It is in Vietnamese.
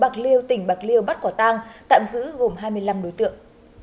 bạc liêu tỉnh bạc liêu bắt quả tang tạm giữ gồm hai mươi năm đối tượng